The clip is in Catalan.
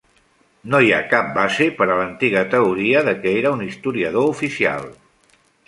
No hi ha cap base per a l'antiga teoria de que era un historiador oficial.